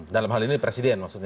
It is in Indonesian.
dalam hal ini presiden maksudnya